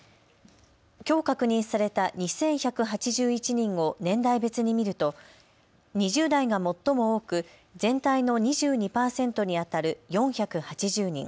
きょう確認された２１８１人を年代別に見ると２０代が最も多く全体の２２％にあたる４８０人。